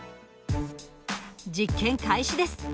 実験開始です。